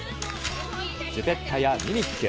ジュペッタやミミッキュ。